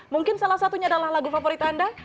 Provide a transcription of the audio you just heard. mungkin salah satunya adalah lagu favorit anda